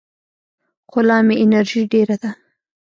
خو لا مې انرژي ډېره ده.